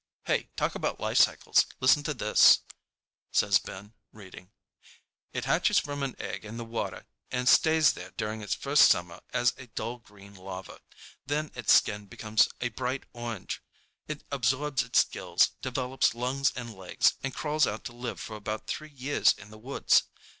"Hey, talk about life cycles, listen to this," says Ben, reading. "'It hatches from an egg in the water and stays there during its first summer as a dull green larva. Then its skin becomes a bright orange, it absorbs its gills, develops lungs and legs, and crawls out to live for about three years in the woods.